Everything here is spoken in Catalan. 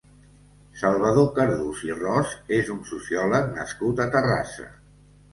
Salvador Cardús i Ros és un sociòleg nascut a Terrassa.